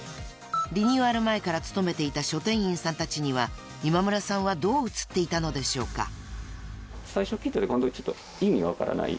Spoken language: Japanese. ［リニューアル前から勤めていた書店員さんたちには今村さんはどう映っていたのでしょうか］